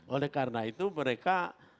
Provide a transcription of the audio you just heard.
oleh karena itu mereka